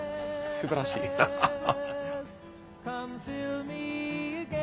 素晴らしいアハハ！